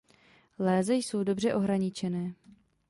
Léze jsou dobře ohraničené.